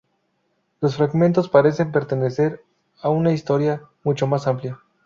Los fragmentos parecen pertenecer a una historia mucho más amplia.